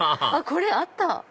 あっこれあった！